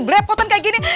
blepotan kayak gini